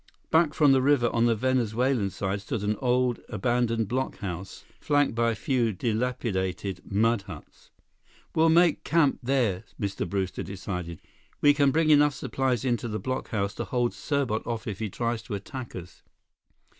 Back from the river on the Venezuelan side stood an old, abandoned blockhouse flanked by a few dilapidated mud huts. "We'll make camp there," Mr. Brewster decided. "We can bring enough supplies into the blockhouse to hold Serbot off if he tries to attack us."